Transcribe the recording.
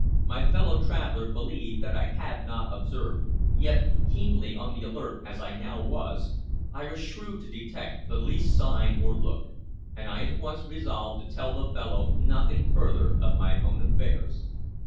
My fellow traveler believed that I had not observed, yet, keenly on the alert as I now was, I was shrewd to detect the least sign or look, and I at once resolved to tell the fellow nothing further of my own affairs.